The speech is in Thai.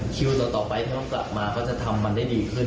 คิวต่อไปถ้าต้องกลับมาก็จะทำมันได้ดีขึ้น